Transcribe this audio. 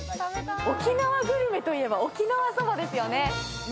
沖縄グルメといえば沖縄そばですよね。